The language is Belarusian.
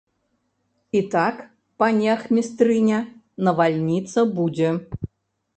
І так, пані ахмістрыня, навальніца будзе!